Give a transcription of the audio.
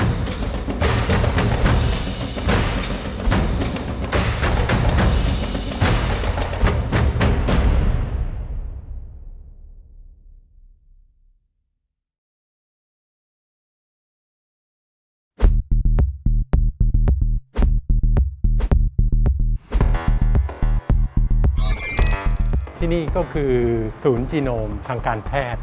อย่างนี้ก็คือศูนย์ยนต์พันธุ์ทางการแพทย์